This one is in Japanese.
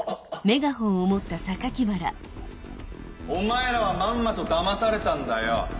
お前らはまんまとだまされたんだよ。